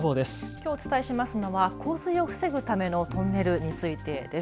きょうお伝えしますのは洪水を防ぐためのトンネルについてです。